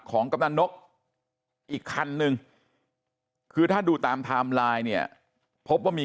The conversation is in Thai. กำนันนกอีกคันนึงคือถ้าดูตามไทม์ไลน์เนี่ยพบว่ามี